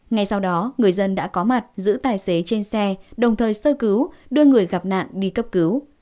ngay sau đó người dân đã có mặt giữ tài xế trên xe đồng thời sơ cứu đưa người gặp nạn đi cấp cứu